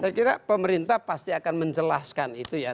saya kira pemerintah pasti akan menjelaskan itu ya